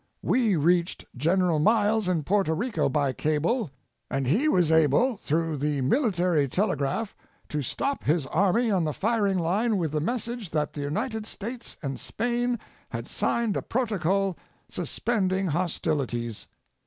We reached General Miles in Porto Rico by cable, and he was able through the military telegraph to stop his army on the firing line with the message that the United States and Spain had signed a protocol suspending hostilities.